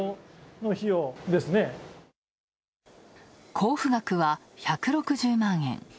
交付額は１６０万円。